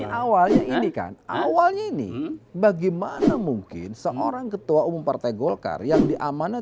awalnya ini kan awalnya ini bagaimana mungkin seorang ketua umum partai golkar yang diamanatkan